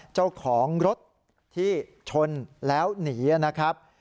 เจ้าของรถที่ชนแล้วหนีนะครับ